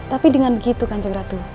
tapi dengan begitu kanjeng ratu